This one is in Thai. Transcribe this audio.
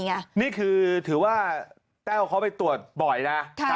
นี่คือถือว่าแต้วเขาไปตรวจบ่อยนะ